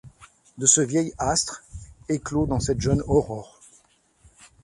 De ce vieil astre, éclos dans cette jeune aurore ;